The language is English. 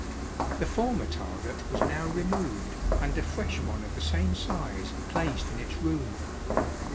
The former target was now removed, and a fresh one of the same size placed in its room.